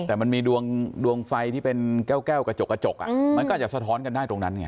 แต่มันมีดวงไฟที่เป็นแก้วกระจกกระจกมันก็อาจจะสะท้อนกันได้ตรงนั้นไง